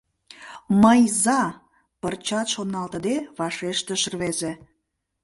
— Мый за! — пырчат шоналтыде вашештыш рвезе.